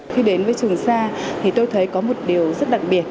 khi đến với trường sa thì tôi thấy có một điều rất đặc biệt